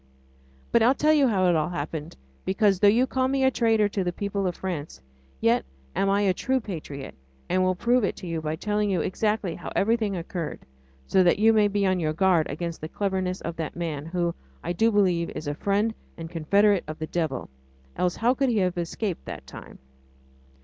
But I'll tell you how it all happened, because, though you call me a traitor to the people of France, yet am I a true patriot and will prove it to you by telling you exactly how everything occurred, so that you may be on your guard against the cleverness of that man, who, I do believe, is a friend and confederate of the devil ... else how could he have escaped that time?